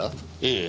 ええ。